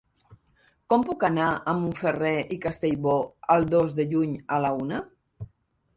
Com puc anar a Montferrer i Castellbò el dos de juny a la una?